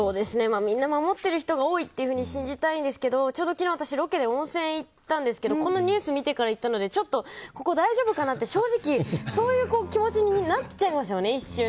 みんな守っている人が多いと信じたいんですけどちょうど、昨日、私ロケで温泉に行ったんですけどこのニュースを見てから行ったのでここ大丈夫かなって、そういう気持ちになってしまいますよね一瞬。